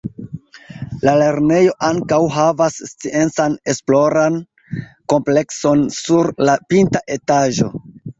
La lernejo ankaŭ havas Sciencan Esploran Komplekson sur la pinta etaĝo.